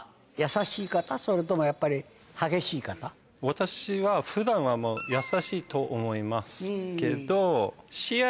私は普段は優しいと思いますけど。